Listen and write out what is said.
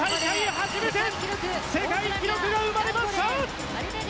初めて世界記録が生まれました！